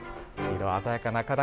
色鮮やかな花壇。